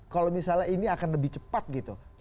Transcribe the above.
kalau misalnya ini akan lebih cepat gitu